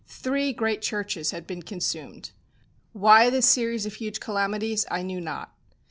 Three great churches had been consumed. Why this series of huge calamities I knew not.